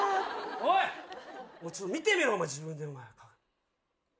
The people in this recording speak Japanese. お前ちょっと見てみろ、自分で、お前。